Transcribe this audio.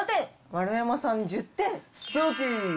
丸山さん１０点。